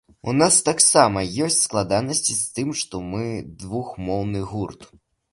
У нас таксама ёсць складанасці з тым, што мы двухмоўны гурт.